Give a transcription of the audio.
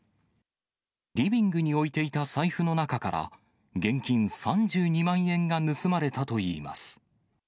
リビングに置いていた財布の中から、現金３２万円が盗まれたといいます。